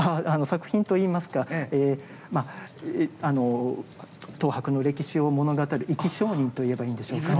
作品といいますか東博の歴史を物語る生き証人といえばいいんでしょうか。